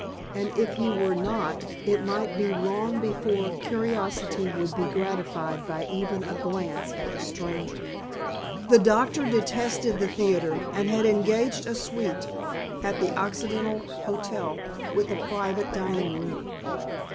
And if he were not it might be long before curiosity would be gratified by even a glance at the stranger; the doctor detested the theatre and had engaged a suite at the Occidental Hotel with a private dining room.